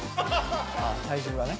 体重がね。